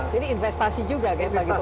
jadi investasi juga bagi pemiliknya